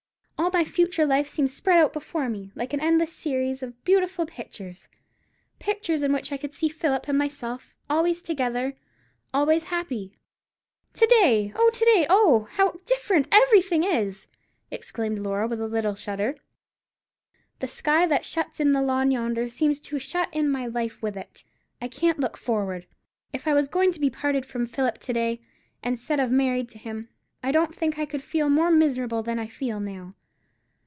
All my future life seemed spread before me, like an endless series of beautiful pictures—pictures in which I could see Philip and myself, always together, always happy. To day, to day, oh! how different everything is!" exclaimed Laura, with a little shudder. "The sky that shuts in the lawn yonder seems to shut in my life with it. I can't look forward. If I was going to be parted from Philip to day, instead of married to him, I don't think I could feel more miserable than I feel now.